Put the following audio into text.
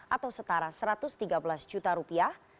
atau setara satu ratus tiga belas juta rupiah